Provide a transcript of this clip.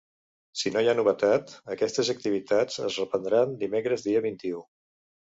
Si no hi ha novetat, aquestes activitats es reprendran dimecres dia vint-i-u.